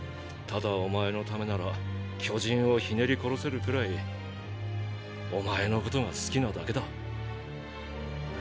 ただお前のためなら巨人をひねり殺せるくらいお前のことが好きなだけだ。